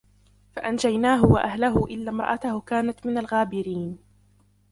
فَأَنْجَيْنَاهُ وَأَهْلَهُ إِلَّا امْرَأَتَهُ كَانَتْ مِنَ الْغَابِرِينَ